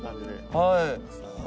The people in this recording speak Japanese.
はい。